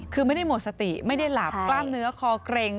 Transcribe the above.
คือไม่ได้หมดสติไม่ได้หลับกล้ามเนื้อคอเกร็ง